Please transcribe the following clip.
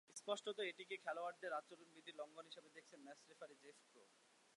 স্পষ্টতই এটিকে খেলোয়াড়দের আচরণবিধির লঙ্ঘন হিসেবে দেখছেন ম্যাচ রেফারি জেফ ক্রো।